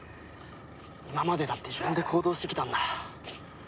今までだって自分で行動してきたんだ。